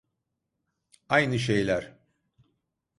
Aynı şeyler.